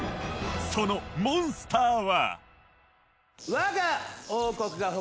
そのモンスターは。